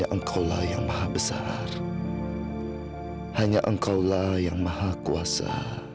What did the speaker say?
engkau lah yang maha kuasa